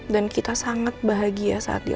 dan kita sangat bahagia saat di oc